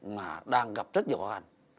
mà đang gặp rất nhiều hoàn